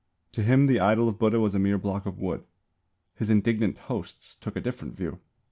To him the idol of Buddha was a mere block of wood; his indignant hosts took a different view.